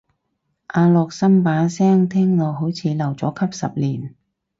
阿樂琛把聲聽落似留咗級十年